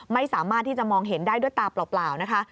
ไม่สามารถที่จะมองเห็นได้ด้วยตาเปล่านะคะ